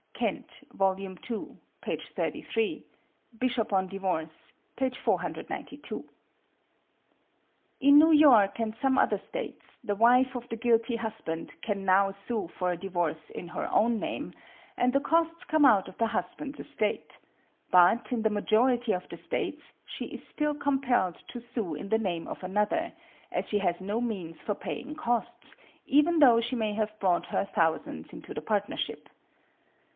(Kent, vol. 2, p. 33; 'Bishop on Divorce,' p. 492.) "In New York, and some other States, the wife of the guilty husband can now sue for a divorce in her own name, and the costs come out of the husband's estate; but, in the majority of the States, she is still compelled to sue in the name of another, as she has no means for paying costs, even though she may have brought her thousands into the partnership.